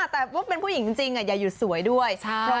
แต่ว่าเป็นผู้หญิงจริงอย่าหยุดสวยด้วย